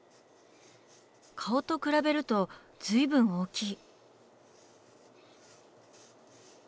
顔と比べるとずいぶん大きい。